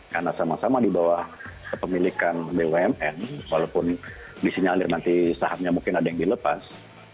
karena sama sama di bawah kepemilikan bumn walaupun disinyalir nanti saatnya mungkin ada yang dilepas